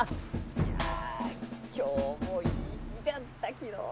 いや今日もいい日じゃったきのう！